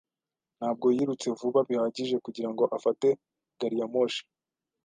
Ntabwo yirutse vuba bihagije kugirango afate gari ya moshi.